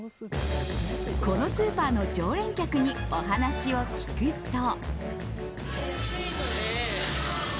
このスーパーの常連客にお話を聞くと。